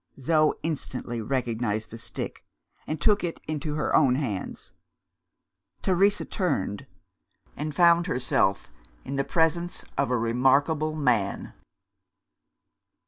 Zo instantly recognised the stick, and took it into her own hands. Teresa turned and found herself in the presence of a remarkable man.